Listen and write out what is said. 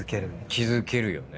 気付けるよね。